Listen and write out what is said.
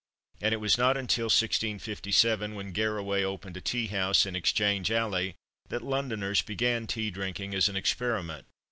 And it was not until 1657, when Garraway opened a tea house in Exchange Alley, that Londoners began tea drinking as an experiment.